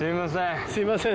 すいません。